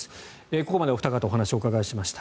ここまでお二方にお話をお伺いしました。